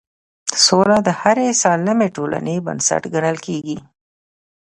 سوله د هرې سالمې ټولنې بنسټ ګڼل کېږي